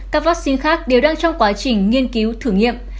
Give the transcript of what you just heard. các vaccine khác đều đang trong quá trình nghiên cứu thử nghiệm